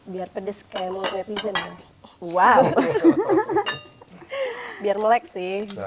biar pedes kayak mulutnya pijen